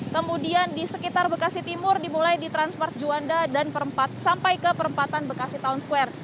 kemudian di sekitar bekasi timur dimulai di transmart juanda dan sampai ke perempatan bekasi town square